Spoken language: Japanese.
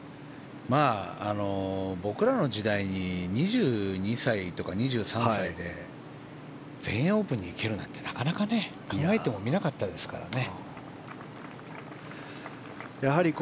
僕らの時代に２２歳とか２３歳で全英オープンに行けるなんてなかなか見なかったですからね。